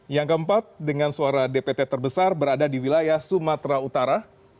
yang keempat dengan suara dpt terbesar berada di wilayah sumatera utara